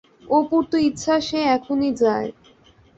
অপুর তো ইচ্ছা সে এখনই যায়।